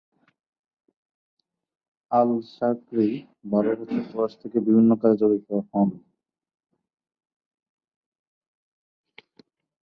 Al-Sharqi বারো বছর বয়স থেকে বিভিন্ন কাজে জড়িত হন।